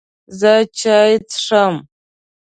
زه چای څښم